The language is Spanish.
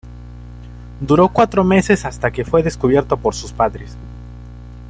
Duró cuatro meses hasta que fue descubierto por sus padres.